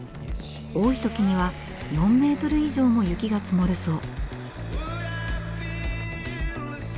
多い時には４メートル以上も雪が積もるそう。